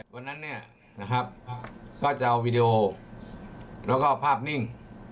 วันนั้นเนี่ยนะครับก็จะเอาวีดีโอแล้วก็ภาพนิ่ง